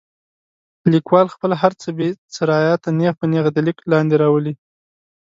لیکوال خپل هر څه بې څه رعایته نیغ په نیغه د لیک لاندې راولي.